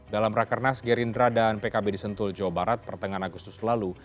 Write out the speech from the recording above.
dalam rakernas gerindra dan pkb di sentul jawa barat pertengahan agustus lalu